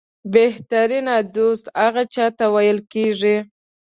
بهترینه دوست هغه چاته ویل کېږي